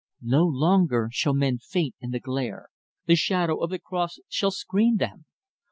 No longer shall men faint in the glare the shadow of the Cross shall screen them.